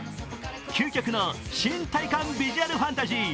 究極の新体感ビジュアルファンタジー